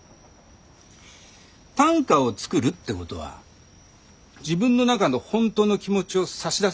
短歌を作るってことは自分の中の本当の気持ちを差し出すってことでしょ。